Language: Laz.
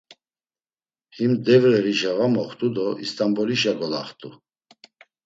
Him Devreğişa va moxt̆u do İst̆anbolişa golaxt̆u.